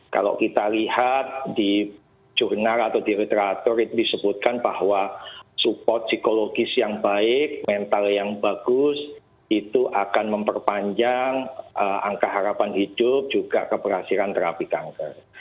kalau kita lihat di jurnar atau di literatur itu disebutkan bahwa support psikologis yang baik mental yang bagus itu akan memperpanjang angka harapan hidup juga keberhasilan terapi kanker